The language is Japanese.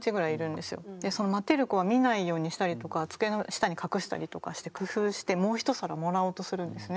でその待てる子は見ないようにしたりとか机の下に隠したりとかして工夫してもう一皿もらおうとするんですね。